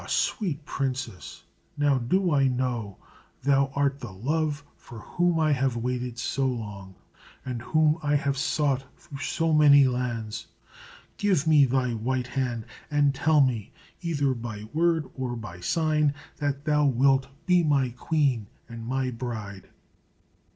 sweet princess, now do I know that thou art the love for whom I have waited so long, and whom I have sought through so many lands. Give me thy white hand, and tell me, either by word or by sign, that thou wilt be my queen and my bride!"